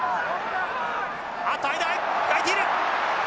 あっと間が空いている。